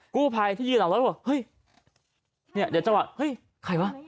กูภายที่ยืนหลังรถก็ว่าเฮ้ยใครวะ